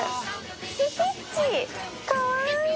スティッチ、かわいい。